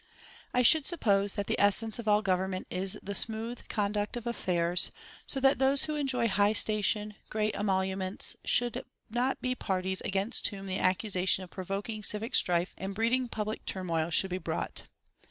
I should suppose that the essence of all government is the smooth conduct of affairs, so that those who enjoy high station, great emoluments, should not be parties against whom the accusation of provoking civic strife and breeding public turmoil should be brought.